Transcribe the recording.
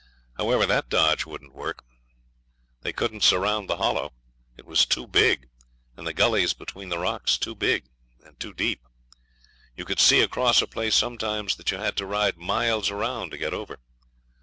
However, that dodge wouldn't work. They couldn't surround the Hollow. It was too big, and the gullies between the rocks too deep. You could see across a place sometimes that you had to ride miles round to get over.